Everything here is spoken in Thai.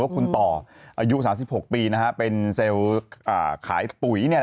พายายนะครับ